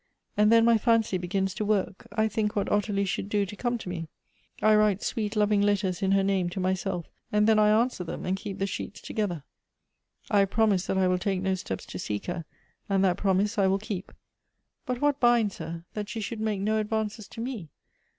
And then my fancy begins to work ; 1 think what Ottilie should do to come to me ; I write sweet, loving letters in her name to myself, and then 1 answer them, and keep the sheets together. I have prom ised that I will take no steps to seek her; and that promise I will keep. But what binds her, that she should make no advances to me